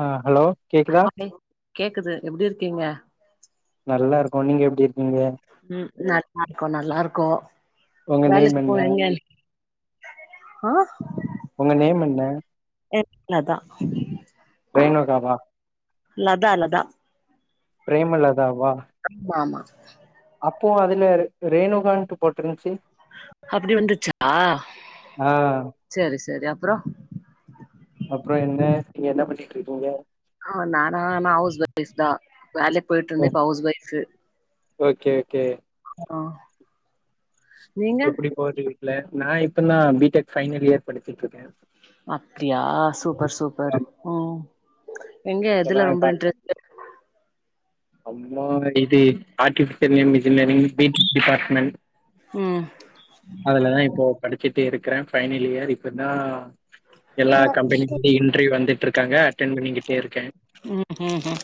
ஆ hello கேக்குதா அப்டிங் கேக்குது எப்டி இருக்கீங்க நல்லா இருக்கோ நீங்க எப்டி இருக்கீங்க ம் நல்லா இருக்கோ நல்லா இருக்கோ உங்க நேம் வேலக்கி என்ன போரிங்க ஆ உங்க நேம் என்ன எல் நதா ரேனுகா வா லதா லதா பிரேமலதாவா ஆமா ஆமா அப்போ அதுல ரேணுகாண்ட்டு போட்ருந்துச்சு அப்டி வந்துச்சா ஆ செரி செரி அப்றோ அப்றோ என்ன நீங்க என்ன பண்ணிட் இருக்கீங்க ஆ நானா நா ஹவுஸ் ஒய்ஸ்தா வேலைக் போய்ட்ருந்தே இப்ப ஹவுஸ் ஒய்ஃப்பு ஓகே ஒகே ஆ நீங்க எப்டி போது வீட்ல நா இப்ப தா பிடெக் ஃபைனல் இயர் படிச்சுட்ருக்க அப்டியா சூப்பர் சூப்பரு ம் எங்க இப்பதா எதுல ரொம்ப இன்ட்ரெ அம்மாடிது ஆர்ட்டிபிஷியல் இன்ஜினியரிங் பிடிஸ் டிபார்ட்மெண்ட் ம் அதுலதா இப்போ படிச்சுட்டே இருக்க பைனல் இயர் இப்ப தா எல்லா கம்பெனிலருந்து இன்டர்வியூ வந்துட்டு இருக்காங்க அட்டென் பண்ணிக்கிட்டே இருக்க ம் ஹு ஹ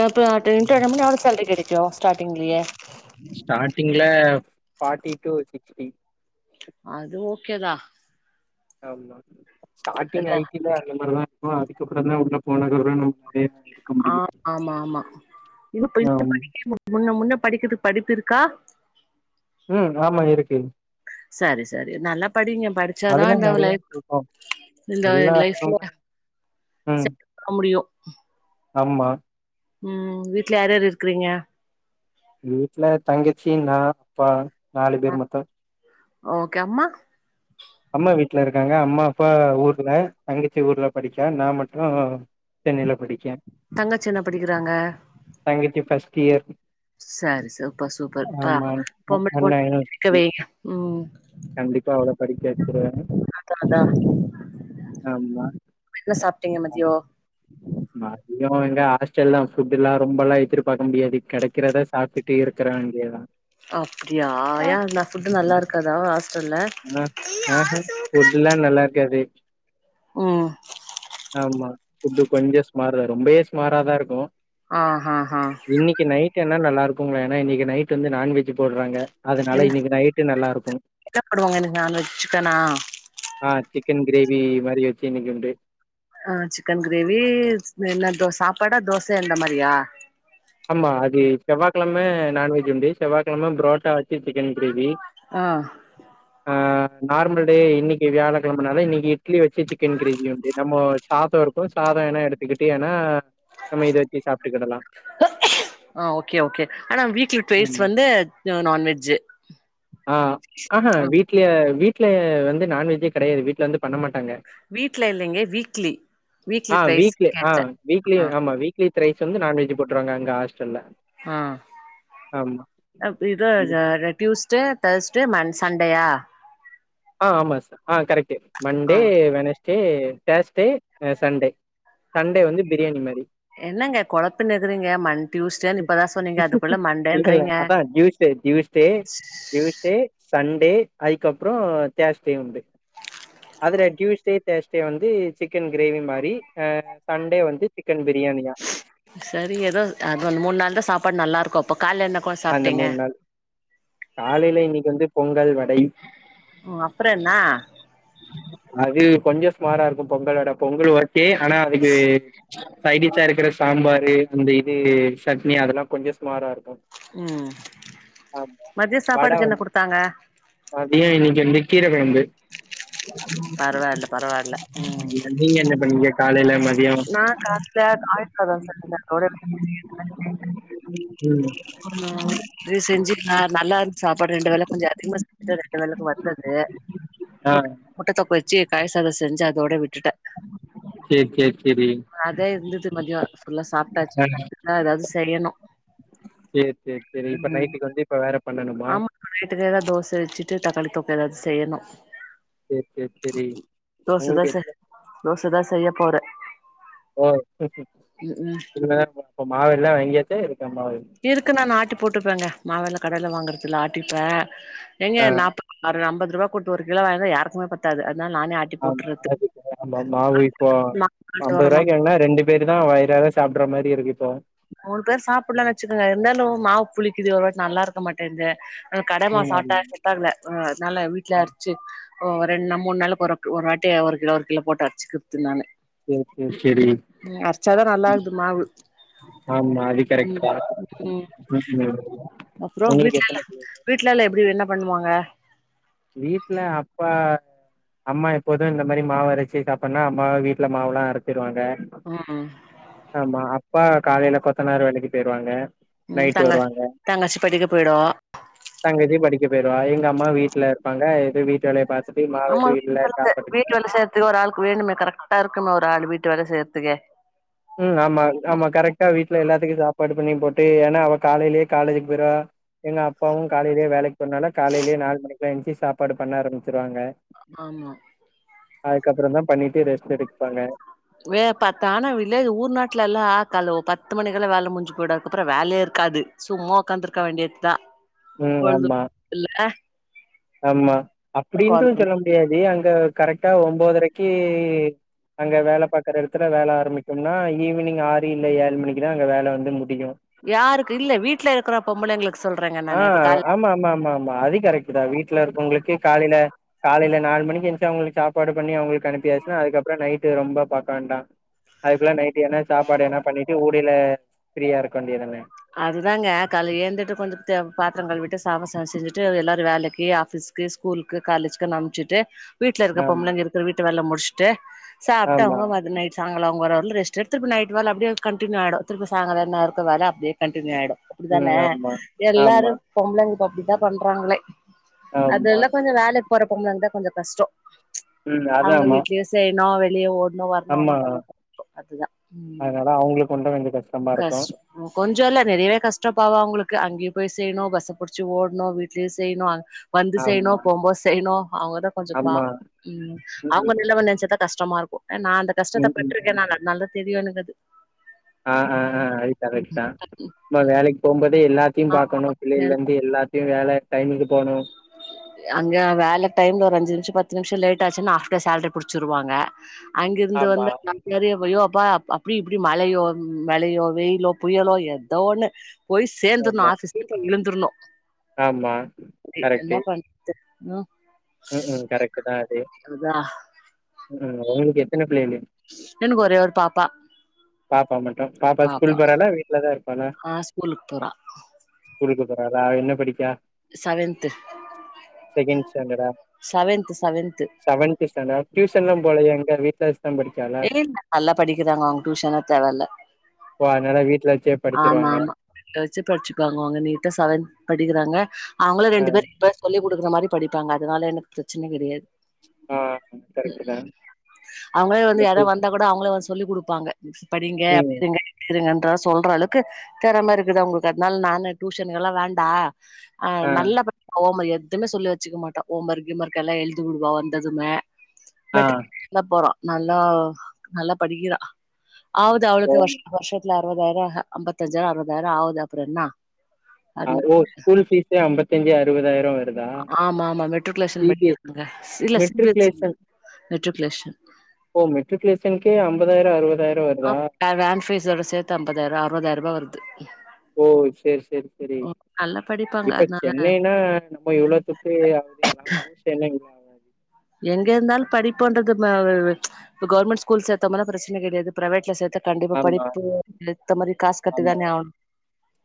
இப்போ டெண்டனம்னா எவ்ளோ சாலரி கெடைக்கு ஸ்டார்டிங்லயே ஸ்டார்டிங்ல ஃபார்ட்டி டு சிக்ஸ்டி அது ஓகேதா ஆமா ஸ்டார்ட்டிங் இல்ல ஐடி அந்த மாரிதா அதுக்கப்றதா உள்ள போனக்கப்ற நம்ம நெறைய எடுக்க ஆ முடியு ஆமா ஆமா இது போய்ட்டு ஆம் படிக்கணு முன்ன முன்ன படிக்கதுக்கு படிப்பிருக்கா ம் ஆமா இருக்கு சரி சரி நல்லா படிங்க படிச்சாதா அதுலா இந்த நெறைய லைஃப் இருக்கு இந்த எல்லா லைஃப்ல இடம்னா ம் செட் பண்ண முடியு ஆமா ம் வீட்ல யார் யார் இருக்குறீங்க வீட்ல தங்கச்சி நா அப்பா நாலு பேர் மொத்த ஓகே அம்மா அம்மா வீட்ல இருக்காங்க அம்மா அப்பா ஊர்ல தங்கச்சி ஊர்ல படிக்கா நா மட்டு சென்னைல படிக்க தங்கச்சி என்ன படிக்கிறாங்க தங்கச்சி ஃபர்ஸ்ட் இயர் சரி சூப்பர் சூப்பர் ஆ ஆமா பொம்பள அண்ணா பொண்ண படிக்க யூனிவர்சிட்டி வைங்க ம் கண்டிப்பா அவள பிரிச்சு எடுத்துருவாங்க அதா அதா ஆமா என்ன சாப்ட்டீங்க ஆ மதியோ மா புண்ணியவா எங்க ஹாஸ்டல்லா ஃபுட்டுல்லா ரொம்பல்லா எதிர்பாக்க முடியாது கெடைக்கிறத சாப்ட்டு டி இருக்கிறாய்ங்க அப்டியா ஏ அந்த ஃபுட்டு நல்லாருக்காதா ஹாஸ்டல்ல ம் அ ஹ ஃபுட்டுல்லா நல்லாருக்காது ம் ஆமா ஃபுட்டு கொஞ்சோ சுமார் தா ரொம்பவே சுமாராதா இருக்கு ஆ ஹ ஹ இன்னைக்கு நைட் வேணா நல்லாருக்குங்க ஏன்னா இன்னைக்கு நைட் வந்து நான்வெஜ்ஜு போடுறாங்க அதனால என்ன இன்னைக்கு நைட்டு நல்லாருக்கு என்ன பண்ணுவாங்க இன்னைக்கு நான்வெஜ் சிக்கனா ஆ சிக்கன் கிரேவி மாரி வெச்சு இன்னைக்கு உண்டு அ சிக்கன் கிரேவி என்ன தொ சாப்பாடா தோசையா இந்த மாரியா ஆமா அது செவ்வாக்கெழம நான்வெஜ் உண்டு செவ்வாகெழம புரோட்டா வெச்சு சிக்கன் கிரேவி அ ஆ நார்மல் டே இன்னைக்கு வியாழ கெழமனால இன்னைக்கு இட்லி வெச்சு சிக்கன் கிரேவி வந்து நம்ம சாத்த இரு க்கு சாத வேனா எடுத்துக்கிட்டு ஏன்னா நம்ம இத வெச்சு சாப்ட்டுக்கிடலா ஆ ஓகே ஓகே ஆனா வீக்ல ட்வைஸ் ஆமா வந்து நா நான்வஜ் ஆ ஆஹா வீட்ல வீ்ட்ல வந்து நான்வெஜ்ஜே கெடையாது வீட்ல வந்து பண்ண மாட்டாங்க வீட்ல இல்லைங்க வீக்லி ஆ ட்வைஸ் வீக்லி ஆ கேட்டே வீக்லி ஆ ஆமா வீக் வீக் த்ரைஸ் வந்து நான்வெஜ் போடுறுவாங்க அங்க ஹாஸ்டல்ல ஆ ஆமா அப்ப இதா ம். ஜா ட்யுஸ் டே தேர்ஸ்ட்டே மண் சண்டேயா ஆ ஆமா சு ஆ கரெக்ட் ஆ மண்டே வெனஸ் டே தேஸ்டே அ சண்டே சண்டே வந்து பிரியாணி மாரி என்னங்க கொழப்புனக்குறீங்க மண் டியூஸ்டேன்னு இப்பதா சொன்னீங்க அதுக்குள்ள மண்டேன்றீங்க யூஸ்டே டியூஸ்டே டியூஸ்டே சண்டே அதுக்கப்புறோ தேஸ்டே உண்டு அதுல டியூஸ்டே தேஸ்ட்டே வந்து சிக்கன் கிரேவி மாரி ஆ சண்டே வந்து சிக்கன் பிரியாணியா சரி ஏதோ அது வந்து மூணு நாள் தா சாப்பாடு நல்லா இருக்கு அப்ப கால்ல என்ன கொ அந்த சாப்ட்டீங்க மூண் நாள் காலையில இன்னைக்கு வந்து பொங்கல் வடை ம் அப்புற என்ன அது கொஞ்ச சுமாரா இருக்கு பொங்கல் வட பொங்கல் ஒகே ஆனா அதுக்கு சைடிஷா இருக்குற சாம்பாரு அந்த இது சட்னி அதெல்லா கொஞ்ச ஸுமாரா இருக்கு ம் மத்திய சாப்பாடுக்கு என்ன கொடுத்தாங்க மத்திய இன்னைக்கு வந்து கீர கொழம்பு பரவால்ல பரவால்ல ம் நீங்க நீங்க என்ன பண்ணிங்க காலையில ம நா கால்ல காலி சாதோ செஞ்சே [inaudible] வெச்சு ம் ஆமா அப்டி செஞ்சு ந நல்லா இருந் சாப்பாடு ரெண்டு வேல கொஞ்ச அதிகமா செஞ்சுட்ட ரெண்டு வேலைக்கு வந்தது ஆ முட்டத்தொக்கு வெச்சு கய சாதொ செஞ்சு அதோட விட்டுட்டே சேர் சேர் செரி அதே இருந்துது மதியொ ஃபுல்லா சாப்ட்டாச்சு க்குதா ஏதாவது செய்யணு செரி செரி செரி இப்ப ம் நைட்டுக்கு வந்து இப்ப வேற பண்ணணுமா ஆமா நைட்டுக்கு ஏதா தோச வெச்சுட்டு தக்காளி தொக்கு ஏதாவது செய்யணு சேரி சேரி சேரி தோச உங்களுக்கு தோச எத்தன தோசதா செய்ய போறே ஓ ம் ம் இனிமேதா அப்ப மாவெல்லா வாங்கியாச்சா இருக்கா மாவு இருக்கு நா நா ஆட்டி போட்டுப்பேங்க மாவெல்லா கடலையில வாங்கறதில்ல ஆட்டிப்பே எங்க ஆ நாப்ப ஒரு அம்பது ரூபா குடுத்து ஒரு கிலோ வாங்குனா யாருக்குமே சத்தாது அதுனால நானே ஆட் ஆமா அதுக்கு ஆமா மாவு இப்போ அம்பது ரூபாய்க்கு வாங்குனா ரெண்டு பேர் தா வயிறார சாப்டுற மாரி இருக்கு இப்போ மூணு பேர் சாப்பிட்லான் வச்சிக்கங்க இருந்தாலு மாவு புளிக்குது ஒருவாட்டி நல்லா இருக்க மாட்டேன்து நா கடமா ம் சாப்ட்டா ஆமா செட்டாகல ம் அதனால வீட்ல ஆமா அரச்சு ஒ ரெண் நா மூணு நாளுக்கு ஒரு ஒரு வாட்டி ஒரு கிலோ ஒரு கிலோ போட்டு அரச்சுக்குறது நானு சேரி சேரி சேரி ம் அரச்சா தா நல்லா ஆகுது மாவு ஆமா அது கரெக்ட் ம் தா ம் ம் அப்புறோ உங்களுக்கு வீட்டுல எத்தன பிள்ள வீட்டுலலா எப்டி என்ன பண்ணுவாங்க வீட்ல அப்பா அம்மா எப்போது இந்த மாரி மாவு அரச்சி சாப்பிட்னா அம்மா வீட்ல மாவுல்லா அரச்சிருவாங்க ம் ஆமா அப்பா காலைல கொத்தனார் வேலைக்கு பேருவாங்க ம் தங்க தங்கச்சி படிக்க போய்டு தங்கச்சி படிக்க பேடுவா எங்க அம்மா வீட்ல இருப்பாங்க எ வீட்டு வேலய பாத் து ஆமா மாவேது வீட்டு இல்ல வேல செ சாப்பாடுக்கு தா வீட்டு வேல அது செய்யறதுக்கு ஒரு ஆளுக்கு வேணுமே கரெக்டா இருக்குமே ஒரு ஆளு வீட்டு வேல செய்யர்த்துக்கு ம் ஆமா ஆமா கரெக்டா வீட்டுல எல்லாத்துக்கு சாப்பாடு பண்ணி போட்டு ஏனா அவ காலைலே காலேஜுக்கு போய்ரா எங்க அப்பாவு காலைலே வேலைக்கு போறனால காலைலே நாலு மணிக்குலா எந்துச்சி சாப்பாடு பண்ண ஆரம்பிச்சிருவாங்க ஆமா அதுக்கப்றந் தா பண்ணிட்டு ரெஸ்ட் எடுப்பாங்க வே பா தானா வில்லேஜ் ஊர் நாட்லல்லா கால்லே பத்து மணிக்குல்லா வேல முஞ்சு போய்டு அதுக்கு அப்புறோ வேலைய இருக்காது சும்மா உக்காந்துருக்க வேண்டியத்தா அ ஆமா இல்ல ஆமா அப்டின்டு சொல்ல முடியாது அங்க கரெக்டா ஒன்பதரைக்கி அங்க வேல பாக்ற எடத்துல வேல ஆரம்பிக்குன்னா ஈவினிங் ஆறு இல்ல ஏழு மணிக்குதா அங்க வேல வந்து முடியு யாருக்கு இல்ல வீட்ல இருக்ற பொம்பளைங்களுக்கு சொல்றேங்க ஆ நானு இப்ப கால ஆமா ஆமா ஆமா ஆமா அது கரெக்ட்டு தா வீட்ல இருக்கவங்களுக்கு காலைல காலையில நாலு மணிக்கு எந்துச்சு அவங்களுக்கு சாப் சாப்பாடு பண்ணி அவங்களுக்கு அனுப்பியாச்சுன்னா அதுக்கப்புறோ நைட்டு ரொம்ப பாக்காண்டா அதுக்குல்ல நைட்டு என்ன சாப்பாடு எதனா பண்ணிட்டு ஊடைல ஃப்ரீயா இருக்க வேண்டியதான அதுதாங்க கால்லே ஏழ்ந்துட்டு கொஞ்சத பாத்திரோ கழுவிட்டு சாப்ப ச செஞ்சிட்டு எல்லாரு வேலைக்கி ஆபீஸ் க்கி ஸ்கூலுக்கு காலேஜ்க்குனு அனுப்சுட்டு வீட்ல இருக்க ஆமா பொம்பளைங்க இருக்கிற வீட்டு வேலலா முடிச்சுட்டு சாப்ட்டு ஆமா அவங்க வ நைட் சாயங்கால ஒ ஒரு ல ரெஸ்ட் எடுத்துரு திருப்ப நைட் வேலை அப்டியே கன்டினியூ ஆய்டு திருப்ப சாயங்கால என்ன இருக்குண வேல அப்டியே கன்டினியூ ஆயிடு அப்டித்தான ம் ஆமா எல்லாரு ஆமா பொம்பளைங்க இப்ப அப்டித்தா பண்றாங்களே அது ஆமா எல்லா கொஞ்சோ வேலைக்கி போற பொம்பளைங்க தா கொஞ்சோ கஷ்டோ ம் அவங்க அதாம்மா வீட்லயு செய்ணு வெளிய ஓ இன்னு வரணு என்ன ஆமா பன்றது அதுதா ம் அதனால அவங்களுக்கு ஒன்னும் கொஞ்சம் கஷ்டமா இருக்கும் கஷ்டமோ கொஞ்சோ இல்ல நெறையவே கஷ்டோ பாவோ அவங்களுக்கு அங்கேயு போய் செய்யணு பஸ்ச புடிச்சு ஓட்ணு வீட்லயு செய்ணு வந்து செய்ணு ஆமா போம்போ செய்ணு அவங்கதா கொஞ்சோ ஆமா பாவோ ம் அவங்க நெலம நெனச்சா தா கஷ்டமா இருக்கு நா அந்த கஷ்டத்த ம் ம் பட்ருக்க ம் நானு அதுனால தா தெரியு எனக்கது ஆ ஆ ஆ அது கரெக்ட் தா நம்ம வேலக்கி போம்போதே எல்லாத்தையு ஆமா பாக்கணு பிள்ளைல இருந்து எல்லாத்த இங்கயு வேல டைமுக்கு போனு அங்க வேல டைம்ல ஒரு அஞ்சு நிமிஷோ பத்து நிமிஷோ லேட் ஆச்சுன்னா ஆப் டே சாலரி புடிச்சுருவாங்க அங்கிருந்து ஆமா வந்தன்னா சரியோ பொய்யோ அப்பா அப்டி இப்டி மழையோ மலையோ வெயிலோ புயலோ எதோ ஒண்ணு போய் சேந்துர்ணு ஆமா, ஆபீஸ்ல போய் விழுந்தரணு ஆமா விதி என்ன கரெக்ட்டு. பண்றது ம் ம் ம் கரெக்ட் தா அது அதா ம் ம் உங்களுக்கு எத்தன பிள்ளெலு எனக்கு ஒரே ஒரு பாப்பா பாப்பா மட்டும் பாப்பா ஸ்கூல் போறளா வீட்டுலதா இருப்பாளா ஆ ஸ்கூலுக்கு போறா ஸ்கூலுக்கு போறாளா என்ன படிக்கா செவன்த் செகண்ட் ஸ்டேண்டடா செவன்த் செவன்த் செவன்த்ஸ்டாண்டடு டியூஷன்லா போலயா எங்க வீட்ல வச்சு தா படி இல்ல இல்ல நல்லா படிக்கிறாங்க அவுங்க டியூஷன்லா தேவல்ல ஓ அதனால வீட்டுல வச்சே ஆமா படிச்சுருவாங்க. ஆமா வச்சு படிச்சுக் வாங்க அவுங்க நீட்டா செவன்த் படிக்றாங்க அவுங்களே ஆ, ரெண்டு பேர் ப்ப சொல்லிக்குடுக்குற மாரி படிப்பாங்க அதனால எனக்கு பிரச்சன கெடையாது ஆ. கரெக்ட்டு தான். அவுங்களே இல்ல வந்து யாரது வந்தா டியூஷன் கூட அவுங்களே வந்து சொல்லி் குடுப்பாங்க படிங்க ம். அப்டி இருங்க இப்டி இருங்க என்ற சொல்ற அளவுக்கு தெறம இருக்குது அவங்கட்ட அதனால நானு டியூஷன் எல்லா வேண்டா ஆ நல்லா ப ஓ எதுவுமே சொல்ல வச்சிக்க மாட்டோ ஓமர்க் இ மர்க் எல்லா எழுதி விடுவா வந்ததுமே ஆ. பெட் நல்லா போறா நல்லா நல்லா படிக்கிறா ஆவது ஓ! ஆவளுக்கு வருஷ் வருஷத்துல அறுவதாயிரம் அம்பத்தஞ்சாயிரம் அறுபதாயரம் ஆகுது அப்றம் என்னா ஆ ஓ ஸ்கூல்பீஸ்ஸே அம்பத்தஞ்சு அறுவதாயிரம் வரு ஆமா ஆமா மெட்ருக்குலேஷன் படிக்கிறாங்க இல்ல சி பி எஸ் சி இல்ல மெட்ருக்குலேஷன் ஒ மெட்ரிகுலேஷனுகே அம்பதாயர அறுவதாயிர வருதா ஆ வேன் ஃபீஸோட சேத்து அம்பதாயரூபா அறுவதாயரூபா வருது ஓ செரி செரி செரி நல்லா படிப்பாங்க இப்ப அதனால சென்னைனா ஓ இவ்ளத்துக்கு ஆகுதுங்களா ஊர் சென்னைங்களா எங்க இருந்தால படிப்புன்றது ஆ கவர்மெண்ட் ஸ்கூல் சேத்தம்ன்னா பிரச்சன கெடையாது பிரைவேட்ல சேத்தா கண்டிப்பா ஆமா படிப்பு ஏத்த மாரி காஸ் கட்டி ஆமா தானே ஆன்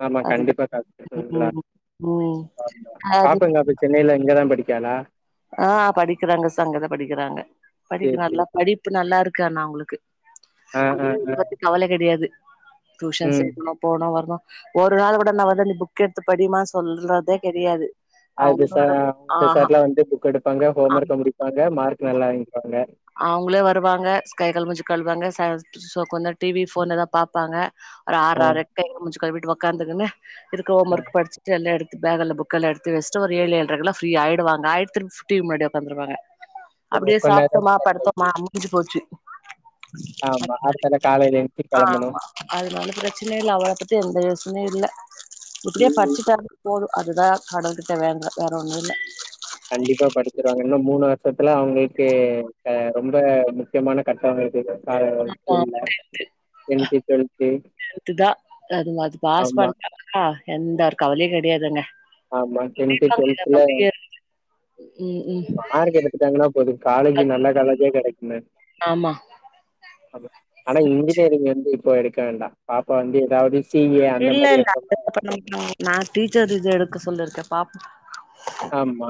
ஆமா கண்டிப்பா காஸ் கட்டிதா ம் ம் அது பாப்பா சென்னையில எங்கதா படி கேளா ஆ படிக்கிறாங்க அங்கதா படிக்கிறாங்க படிக்க சேரி நல்லா சேரி படிப்பு நல்லா இருக்கு ஆனா அவுங்களுக்கு ஆ ஆ பொதுவா ஆ இத பத்தி கவல கெடையாது டியூஷன் ம் சேக்கணும் போனோ வருணோ ஒரு நாள் கூட நா வந்து நீ புக் எடுத்து படிமா சொல்றதே கெடையாது அது அவங்களு ச வரு ஆஹா சார்லா வந்து புக் எடுப்பாங்க அ ஹோமருக்கு முடிப்பாங்க மார்க் நல்லா எடுப்பாங்க அவங்களே வருவாங்க ஸ்கை கால் மூஞ்சி கழுவாங்க கொஞ்ச நேரோ டி வி ஃபோனு ஏதா பாப்பாங்க ஆற ஆ ஆறரைக்கு முஞ்சு கழுவிட்டு உக்காந்துகுணு இதுக்கு ஆ ஹோமர்க் படிச்சிட்டு எல்லா எடுத்து பேகெல்லா போ புக்கல்லா எடுத்து வெச்சிட்டு ஒரு ஏழு ஏழரைல குள்ள ஃப்ரீய ஆயிடுவாங்க ஆயிட்டு திருப்பி டி வி முன்னாடி உக்காந்துருவாங்க ஓ அப்டியே கொஞ்ச நேர சாப்புட்டோமா ரிலாக்ஸ் ஆயிட்டு படுத்தோமா முடிஞ்சி போச்சி ஆமா அடுத்தால காலைல எழுச்சி ஆ கெளம்பனோ அதனால பிரச்சனை இல்ல அவள பத்தி எந்த யோசனையே இல்ல எப்டியே ம் ம் பச்சிட்டாலே போதும் அதுதா கடவுள் கிட்ட வேண்றே வேற ஒன்னும் இல்ல கண்டிப்பா படிச்சிருவாங்க இன்னு மூணு வருஷத்துல அவங்களுக்கு ஆ ரொம்ப முக்கியமான கட்ட இருக்கு கார்ல ஸ்கூல்ல டென்த் டுவெல்த் அதுதா அது மாறி பாஸ் ஆமா பண்டா ஆஹ எந்த கவலையே கெடையாதுங்க ஆமா டென்து டோல்த்துல நம்பிக்க ம் ம் மார்க் எடுத்துட்டாங்கனா போது காலேஜ் நல்லா காலேஜ கெடைக்குமே ஆமா ஆனா இன்ஜினியரிங் வந்து இப்ப எடுக்க வேண்டா பாப்பா வந்து ஏதாவது சிஏ அந்த இல்ல மாரி இல்ல எடுத்தோம்னா எடுக்கணும். [unintelligible] நா டீச்சர் இது எடுக்க சொல்லியிருக்கே பா ஆமா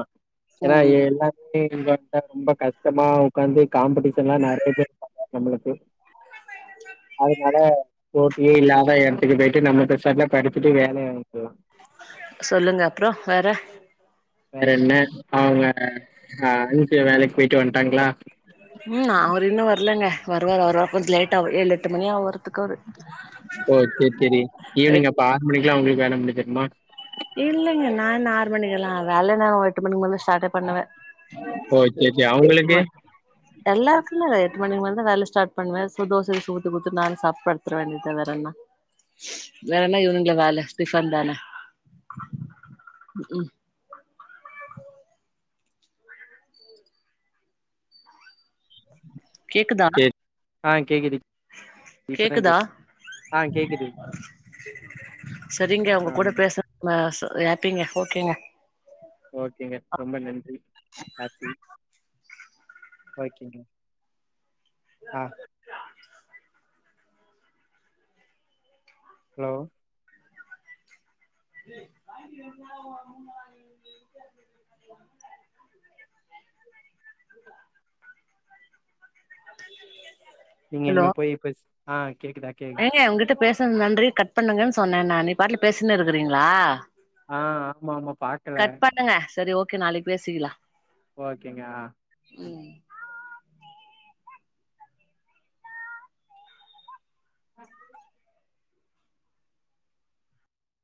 ஏனா இல்ல நீங்க வந்து ரொம்ப கஷ்டமா உக்காந்து காம்பெடிஷலா நெறைய பேர் நம்மளுக்கு அதுனால போட்டியே இல்லாத எடத்துக்கு போய்ட்டு நம்ம பெசாட்ல படித்துட்டு வேல [unintelligible] சொல்லுங்க அப்பறோ வேற வேற என்ன அவுங்க அஞ்சு வேலயிக்கு போயிட்டு வண்டாங்களா ம் அவுரு இன்னு வரலங்க வருவார் வருவ கொஞ்சோ லேட்டா ஆவு ஏழு எட்டு மணி ஆவு வருத்துக்கு அவுரு ஓ செரி செரி ஈவினிங் அப்ப ஆறு மணிக்கெல்லா உங்களுக்கு வேல முடிச்சுருமா இல்லேங்க நா ஆறு மணிக்கெல்லா வேலை நா எட்டு மணிக்கு மேல ஸ்டார்ட்டே பண்ணுவே ஓ ஓகே ஓகே எட்டு அவங்களுக்கு ம எல்லாருக்குமே எட்டு மணிக்கு மேலதா வேலா ஸார்ட் பண்ணுவே சு தேச ஊத்தி கொடுத்து நானு சாப்டு படுத்துருவே நீட்டா வேற என்ன வேறனா இவனுங்க வேலா டிபன் தானா ம் கேக்குதா கேக் ஆஹ கேக்குது இப்பத கே கேக்குதா ஆஹ கேக்குது செரிங்க உங்க கூட ஆமா பேச ஆ ஹாப்பிங்க ஓகேங்க ஓகேங்க ரொம்ப நன்றி ஹாப்பி ஓகேங்க ஆ ஹலோ [unintelligible] நீங்க ஹலோ இனிமே போய் பேசு ஆ கேக்குது ஏங்க உங்க கிட்ட பேசது நன்றி கட் பண்ணுங்கனு சொன்னே நானு நீ பாட்ல பேசினே இருக்குறீங்களா ஆ ஆமா ஆமா பாக்கல கட் பண்ணுங்க செரி ஓகே நாளைக்கு பேசிக்கலா ஓகேங்க அ ம் ஆ அது